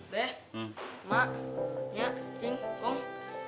beh mak nyak cing kong